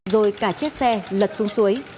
rồi cả chiếc xe lật xuống suối